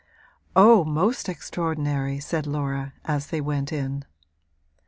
'Oh, most extraordinary!' said Laura, as they went in.